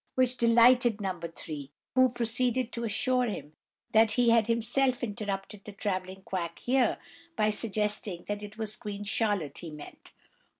which delighted No. 3, who proceeded to assure them that he had himself interrupted the travelling quack here, by suggesting that it was Queen Charlotte he meant.